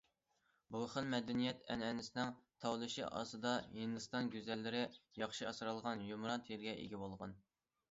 بۇ خىل مەدەنىيەت ئەنئەنىسىنىڭ تاۋلىشى ئاستىدا، ھىندىستان گۈزەللىرى ياخشى ئاسرالغان يۇمران تېرىگە ئىگە بولغان.